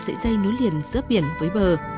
sợi dây nối liền giữa biển với bờ